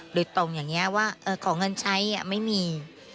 โดยตรงอย่างนี้ว่าขอเงินใช้ไม่มี